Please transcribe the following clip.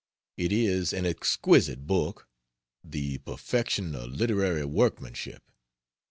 It is an exquisite book; the perfection of literary workmanship.